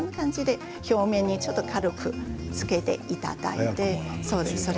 表面にちょっと軽くつけていただいて。